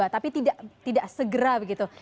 tapi tidak segera begitu